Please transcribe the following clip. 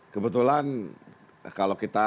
kebetulan kalau kita